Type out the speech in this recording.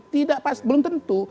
tidak pasti belum tentu